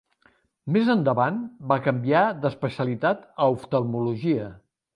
Més endavant, va canviar d'especialitat a oftalmologia.